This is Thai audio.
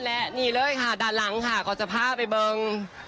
และนี่เลยค่ะด้านหลังเขาจะผ้าไปบน